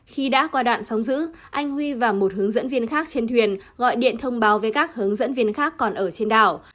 khi đã qua đoạn sóng giữ anh huy và một hướng dẫn viên khác trên thuyền gọi điện thông báo với các hướng dẫn viên khác còn ở trên đảo